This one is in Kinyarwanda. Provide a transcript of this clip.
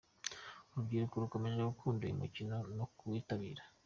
Urubyiruko rukomeje gukunda uyu mukino no ku witabira.